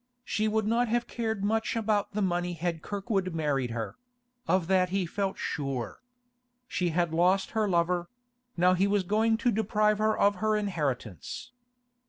She would not have cared much about the money had Kirkwood married her; of that he felt sure. She had lost her lover; now he was going to deprive her of her inheritance.